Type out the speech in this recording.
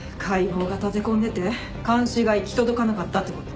解剖が立て込んでて監視が行き届かなかったって事？